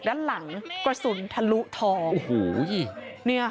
กังฟูเปล่าใหญ่มา